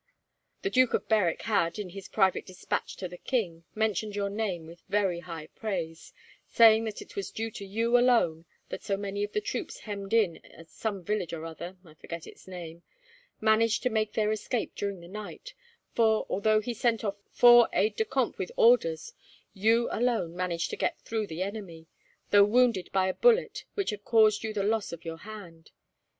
The Duke of Berwick had, in his private despatch to the king, mentioned your name with very high praise, saying that it was due to you, alone, that so many of the troops hemmed in at some village or other I forget its name managed to make their escape during the night, for, although he sent off four aides de camp with orders, you alone managed to get through the enemy, though wounded by a bullet which had caused you the loss of your hand.